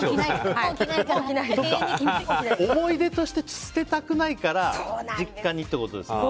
思い出として捨てたくないから実家にってことですか。